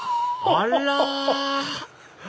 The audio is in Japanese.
あら！